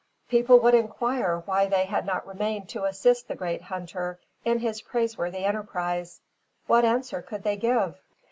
People would inquire why they had not remained to assist the great hunter in his praiseworthy enterprise. What answer could they give?